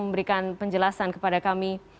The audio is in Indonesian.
memberikan penjelasan kepada kami